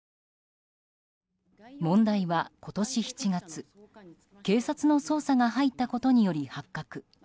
問題は今年７月、警察の捜査が入ったことにより発覚。